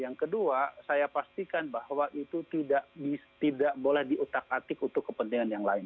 yang kedua saya pastikan bahwa itu tidak boleh diutak atik untuk kepentingan yang lain